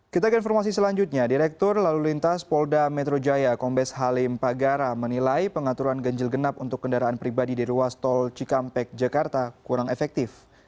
kita ke informasi selanjutnya direktur lalu lintas polda metro jaya kombes halim pagara menilai pengaturan ganjil genap untuk kendaraan pribadi di ruas tol cikampek jakarta kurang efektif